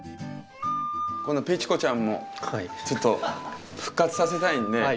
このペチュ子ちゃんもちょっと復活させたいんで。